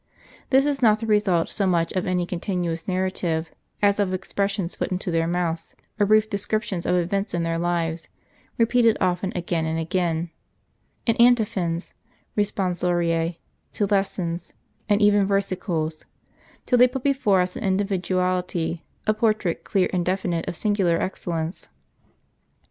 This is not the result so much of any continuous narrative, as of expressions put into their mouths, or brief descriptions of events in their lives, repeated often again and again, in antiphons, responsoria to lessons, and even versicles ; till they put before us an individuality, a portrait clear and definite of singular excellence.